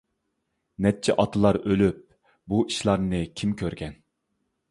نەچچە ئاتىلار ئۆلۈپ، بۇ ئىشلارنى كىم كۆرگەن.